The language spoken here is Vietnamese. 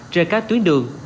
trên các tuyến đường